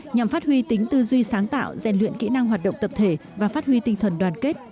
nhằm phát huy tính tư duy sáng tạo rèn luyện kỹ năng hoạt động tập thể và phát huy tinh thần đoàn kết